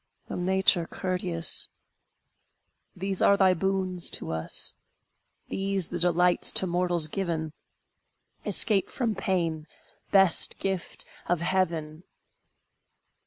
O Nature courteous! These are thy boons to us, These the delights to mortals given! Escape from pain, best gift of heaven!